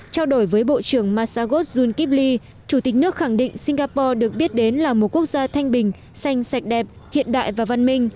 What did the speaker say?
trao đổi với bộ trưởng masagos junkibli chủ tịch nước khẳng định singapore được biết đến là một quốc gia thanh bình xanh sạch đẹp hiện đại và văn minh